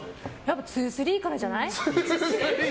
「２３」からじゃない？